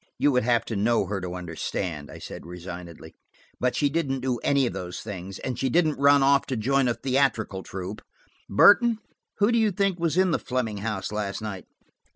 "You would have to know her to understand," I said resignedly. "But she didn't do any of those things, and she didn't run off to join a theatrical troupe. Burton, who do you think was in the Fleming house last night?"